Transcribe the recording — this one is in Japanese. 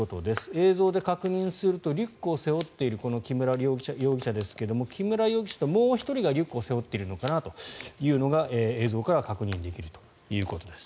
映像で確認するとリュックを背負っている木村容疑者ですが木村容疑者ともう１人がリュックを背負っているのかなというのが映像から確認できるということです。